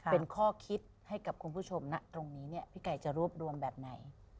เป็นข้อคิดให้กับคุณผู้ชมนะตรงนี้เนี่ยพี่ไก่จะรวบรวมแบบไหน